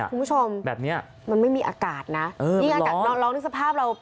คุณผู้ชมมันไม่มีอากาศนะมีอากาศรองนึกสภาพเรา